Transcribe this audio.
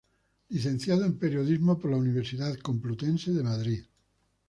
Licenciado en Periodismo por la Universidad Complutense de Madrid.